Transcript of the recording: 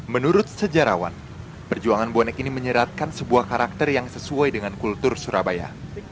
menurut sejarawan perjuangan bonek ini menyeratkan sebuah karakter yang sesuai dengan kultur surabaya